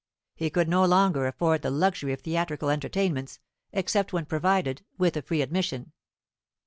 He could no longer afford the luxury of theatrical entertainments, except when provided with a free admission.